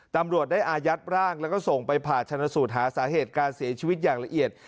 ตำรวจได้อายัดร่างแล้วก็ส่งไปผ่าชนสูตรหาสาเหตุการเสียชีวิตอย่างละเอียด